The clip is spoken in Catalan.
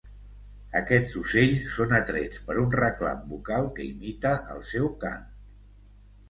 Aquests ocells són atrets per un reclam bucal que imita el seu cant.